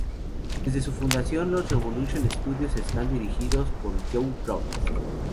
Desde su fundación, los Revolution Studios están dirigidos por Joe Roth.